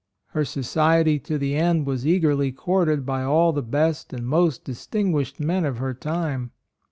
Her society to the end was eagerly courted by all the best and most dis tinguished men of her time.